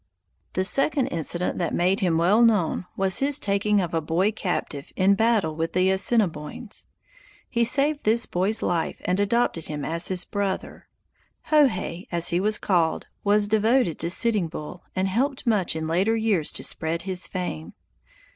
The second incident that made him well known was his taking of a boy captive in battle with the Assiniboines. He saved this boy's life and adopted him as his brother. Hohay, as he was called, was devoted to Sitting Bull and helped much in later years to spread his fame.